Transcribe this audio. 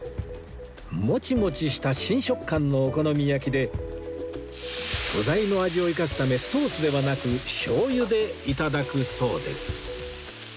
モチモチした新食感のお好み焼きで素材の味を生かすためソースではなく醤油で頂くそうです